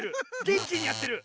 げんきにやってる。